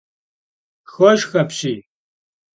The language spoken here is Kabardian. Şşxoşşx apşiy!